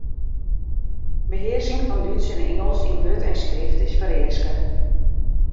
Behearsking fan Dútsk en Ingelsk yn wurd en skrift is fereaske.